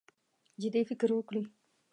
جدي فکر وکړي.